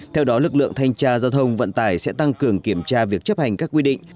theo đó lực lượng thanh tra giao thông vận tải sẽ tăng cường kiểm tra việc chấp hành các quy định